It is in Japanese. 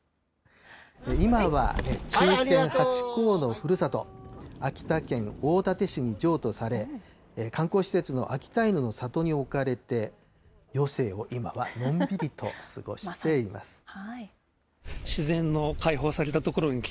今は忠犬ハチ公のふるさと、秋田県大館市に譲渡され、観光施設の秋田犬の里に置かれて、余生を今はのんびりと過ごしています。